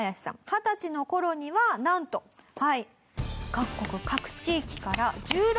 二十歳の頃にはなんとはい。